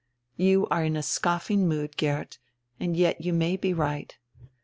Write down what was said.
"You are in a scoffing mood, Geert, and yet you may be right.